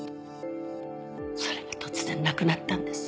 それが突然亡くなったんです。